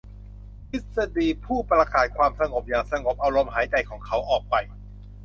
ทฤษฎีผู้ประกาศความสงบอย่างสงบเอาลมหายใจของเขาออกไป